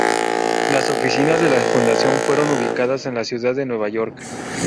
Las oficinas de la Fundación fueron ubicadas en la ciudad de Nueva York.